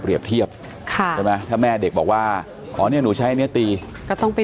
เปรียบเทียบถ้าแม่เด็กบอกว่าอ่อเนี่ยหนูใช้เนี่ยตีก็ต้องไป